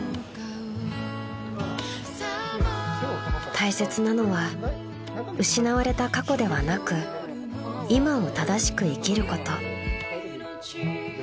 ［大切なのは失われた過去ではなく今を正しく生きること］